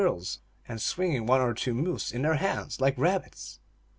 squirrels, and swinging one or two moose in their hands like rabbits.